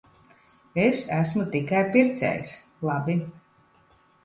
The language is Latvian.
Es esmu tikai pircējs. Labi.